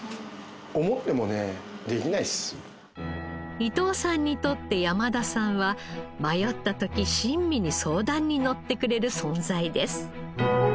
伊藤さんにとって山田さんは迷った時親身に相談にのってくれる存在です。